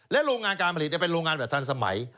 โรงงานการผลิตเป็นโรงงานแบบทันสมัย